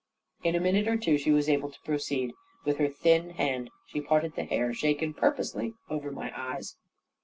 In a minute or two, she was able to proceed; with her thin hand she parted the hair shaken purposely over my eyes.